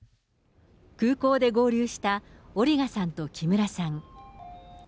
空港で合流した、オリガさんと木村さん。